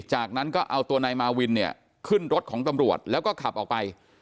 จากนั้นก็เอาตัวนายมาวินเนี่ยขึ้นรถของตำรวจแล้วก็ขับออกไป